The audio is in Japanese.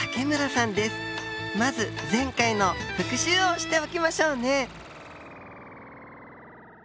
まず前回の復習をしておきましょうね。